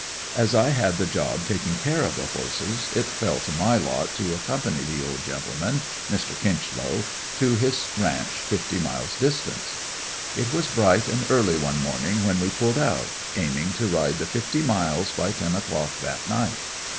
As I had the job taking care of the horses, it fell to my lot to accompany the old gentleman, Mr. Kinchlow, to his ranch fifty miles distant. It was bright and early one morning when we pulled out, aiming to ride the fifty miles by ten o'clock that night.